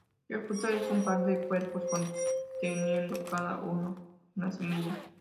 El fruto es un par de cuerpos, conteniendo cada uno una semilla.